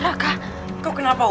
drag kau kenapa beai